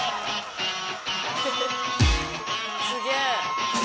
すげえ。